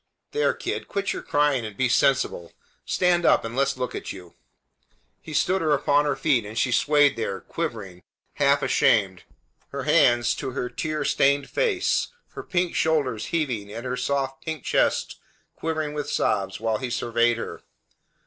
"There, kid, quit your crying and be sensible. Stand up and let's look at you." He stood her upon her feet; and she swayed there, quivering, half ashamed, her hands to her tear stained face, her pink shoulders heaving and her soft, pink chest quivering with sobs, while he surveyed her.